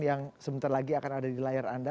yang sebentar lagi akan ada di layar anda